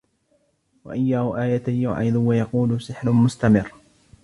وإن يروا آية يعرضوا ويقولوا سحر مستمر